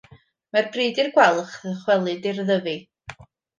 Mae'n bryd i'r gwalch ddychwelyd i'r Ddyfi.